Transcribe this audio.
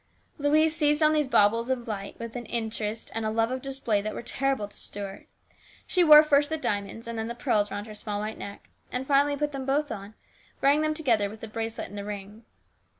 Louise seized on these baubles of light with an eagerness and a love of display that were terrible to Stuart. She wore first the diamonds and then the pearls round her small white neck, and finally put them both on, wearing them together with the bracelet and the rings.